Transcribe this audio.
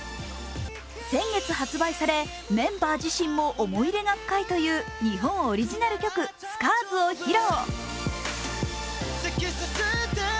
先月発売されメンバー自身も思い入れが深いという日本オリジナル曲を披露。